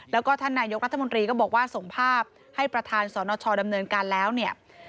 แล้วก็ท่านนายกรัฐมนตรีก็บอกว่าส่งภาพให้ประธานสนชดำเนินการแล้วเนี่ย